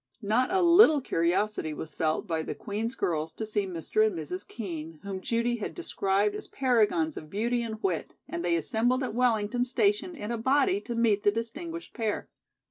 Not a little curiosity was felt by the Queen's girls to see Mr. and Mrs. Kean, whom Judy had described as paragons of beauty and wit, and they assembled at Wellington station in a body to meet the distinguished pair.